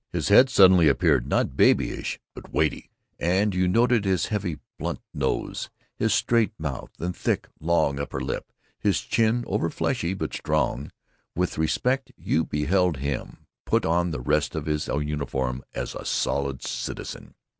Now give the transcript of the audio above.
His head suddenly appeared not babyish but weighty, and you noted his heavy, blunt nose, his straight mouth and thick, long upper lip, his chin overfleshy but strong; with respect you beheld him put on the rest of his uniform as a Solid Citizen.